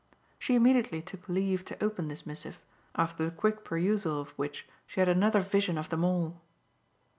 She immediately took leave to open this missive, after the quick perusal of which she had another vision of them all.